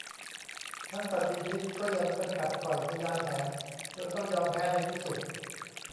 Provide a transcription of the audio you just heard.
ทั้งสัตว์มีพิษก็ยังไปกัดต่อยพญาแถนจนต้องยอมแพ้ในที่สุด